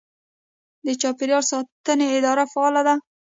د چاپیریال ساتنې اداره فعاله ده.